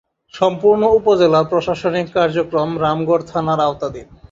সম্পূর্ণ উপজেলার প্রশাসনিক কার্যক্রম রামগড় থানার আওতাধীন।